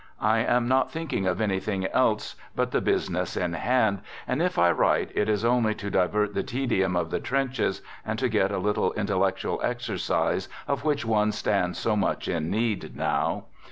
I am not thinking of anything else but 1 the business in hand, and if I write, it is only to divert the tedium of the trenches and to get a little intellectual exercise of which one stands so much in need now.